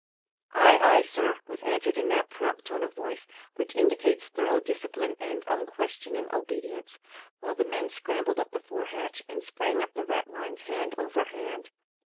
"Ay, ay, sir," was answered in that prompt tone of voice which indicates thorough discipline and unquestioning obedience, while the men scrambled up the fore hatch, and sprang up the ratlines hand over hand.